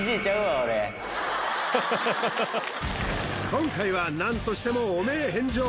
今回は何としても汚名返上